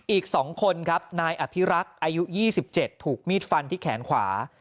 อีก๒คนครับนายอภิรักษ์อายุ๒๗ถูกมีดฟันที่แขนขวา